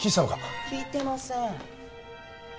聞いてません。